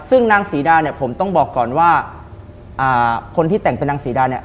ซึ่งนางศรีดาเนี่ยผมต้องบอกก่อนว่าคนที่แต่งเป็นนางศรีดาเนี่ย